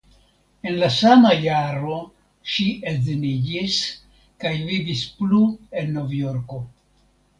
En la sama jaro ŝi edziniĝis kaj vivis plu en Novjorko.